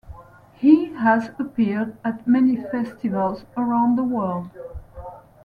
He has appeared at many festivals around the world.